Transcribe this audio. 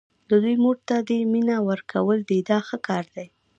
د دوی مور ته دې مینه ورکول دي دا ښه کار دی.